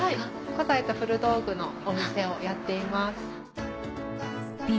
古材と古道具のお店をやっています。